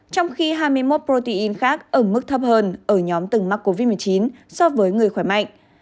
trong khi hai mươi một protein khác ở mức thấp hơn ở nhóm từng mắc covid một mươi chín so với người khỏe mạnh